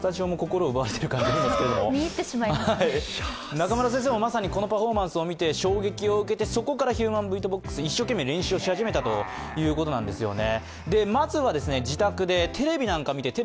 中村先生もまさにこのパフォーマンスを見て衝撃を受けて、そこからヒューマン・ビート・ボックスを一生懸命練習し始めたということなんですよね。